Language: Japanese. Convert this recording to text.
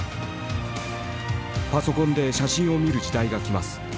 「パソコンで写真を見る時代が来ます。